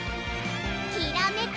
きらめく